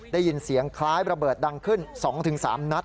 ได้ยินเสียงคล้ายระเบิดดังขึ้น๒๓นัด